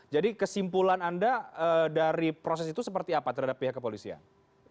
jadi kesimpulan anda dari proses itu seperti apa terhadap pihak kepolisian